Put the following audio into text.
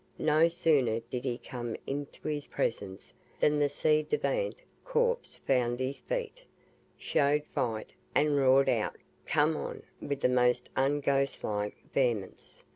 No sooner did he come into his presence than the CI DEVANT corpse found his feet, "showed fight," and roared out, "Come on," with a most unghostlike vehemence.